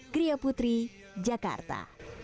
gria putri jakarta